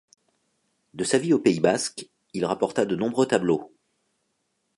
De sa vie au pays basque, il rapporta de nombreux tableaux.